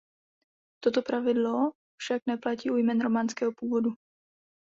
Toto pravidlo však neplatí u jmen románského původu.